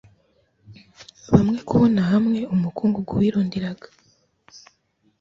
bamwe kubona-hamwe-umukungugu wirundiraga